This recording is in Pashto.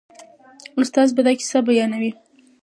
استاد به دا کیسه بیانوي.